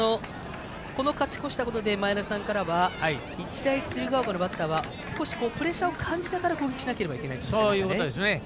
勝ち越したことで前田さんからは日大鶴ヶ丘のバッターは少しプレッシャーを感じながら攻撃をしなければいけないというお話がありましたね。